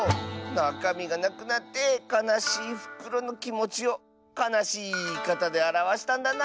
なかみがなくなってかなしいふくろのきもちをかなしいいいかたであらわしたんだな。